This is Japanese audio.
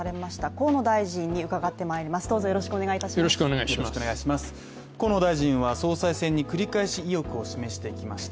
河野大臣は総裁選に繰り返し意欲を示してきました。